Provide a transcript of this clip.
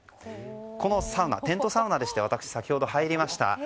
これはテントサウナでして私、先ほど入りました。